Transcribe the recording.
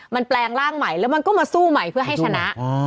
มันแปลงร่างใหม่แล้วมันก็มาสู้ใหม่เพื่อให้ชนะ